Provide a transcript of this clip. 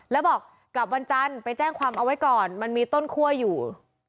แล้วบอกกลับวันจันทร์ไปแจ้งความเอาไว้ก่อนมันมีต้นคั่วอยู่